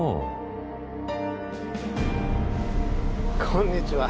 こんにちは。